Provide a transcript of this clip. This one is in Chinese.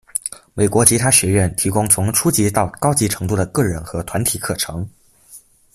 美国吉他学院提供从初级到高级程度的个人和团体课程。